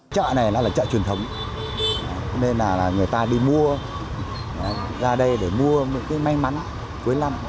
chợ này nó là chợ truyền thống nên là người ta đi mua ra đây để mua những cái may mắn cuối năm